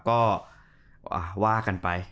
ก็ว่ากันไป